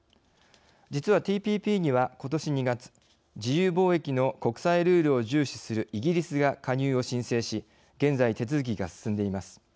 実はＴＰＰには、ことし２月自由貿易の国際ルールを重視するイギリスが加入を申請し現在、手続きが進んでいます。